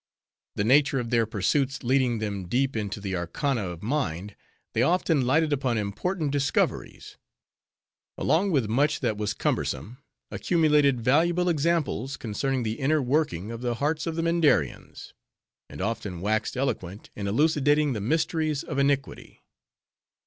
The nature of their pursuits leading them deep into the arcana of mind, they often lighted upon important discoveries; along with much that was cumbersome, accumulated valuable examples concerning the inner working of the hearts of the Mindarians; and often waxed eloquent in elucidating the mysteries of iniquity.